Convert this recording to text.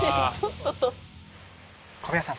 小宮さん